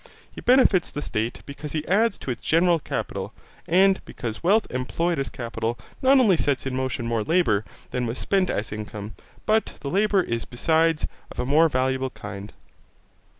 He benefits the state because he adds to its general capital, and because wealth employed as capital not only sets in motion more labour than when spent as income, but the labour is besides of a more valuable kind.